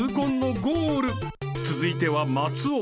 ［続いては松尾］